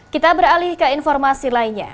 kita beralih ke informasi lainnya